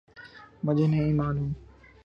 مجھے نہیں معلوم۔